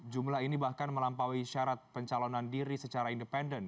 jumlah ini bahkan melampaui syarat pencalonan diri secara independen